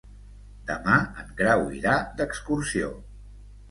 Demà en Grau irà d'excursió.